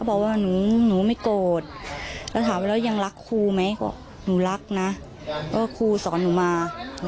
บอกว่าหนูรักนะก็ครูสอนหนูมา